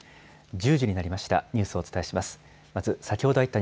１０時になりました。